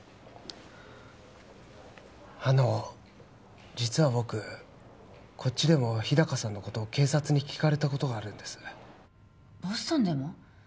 あの実は僕こっちでも日高さんのこと警察に聞かれたことがあるんですボストンでも？